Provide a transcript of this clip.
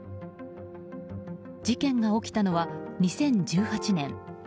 事件が起きたのは２０１８年。